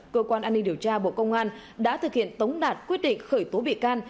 cơ quan an ninh điều tra bộ công an đã thực hiện tống đạt quyết định khởi tố bị can